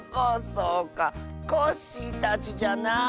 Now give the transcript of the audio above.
そうかコッシーたちじゃな。